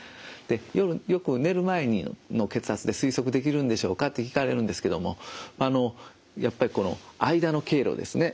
夜よく寝る前の血圧で推測できるんでしょうかって聞かれるんですけどもやっぱりこの間の経路ですね